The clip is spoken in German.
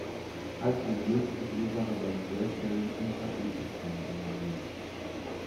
Als eine mögliche Ursache werden Leerstellen in He-Kristallen angesehen.